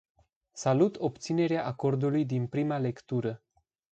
Salut obținerea acordului din prima lectură.